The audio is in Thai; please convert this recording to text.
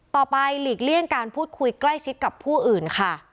หลีกเลี่ยงการพูดคุยใกล้ชิดกับผู้อื่นค่ะ